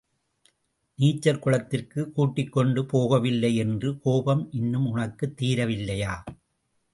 நீச்சல் குளத்திற்குக் கூட்டிக்கொண்டு போகவில்லை என்ற கோபம் இன்னும் உனக்குத் தீரவில்லையா?